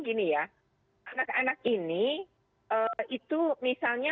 gini ya anak anak ini itu misalnya